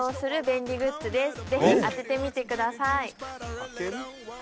ぜひ当ててみてください